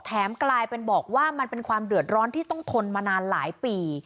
กลายเป็นบอกว่ามันเป็นความเดือดร้อนที่ต้องทนมานานหลายปี